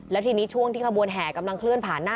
แล้วทีนี้ช่วงที่ขบวนแห่กำลังเคลื่อนผ่านหน้า